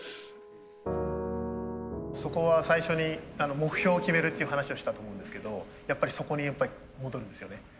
そこは最初に目標を決めるっていう話をしたと思うんですけどやっぱりそこに戻るんですよね。